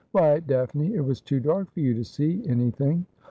' Why, Daphne, it was too dark for you to see anything.'